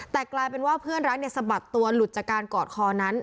แต่กลายเป็นว่าเพื่อนรักสะบัดตัวหลุดจากการกอดคอนั้น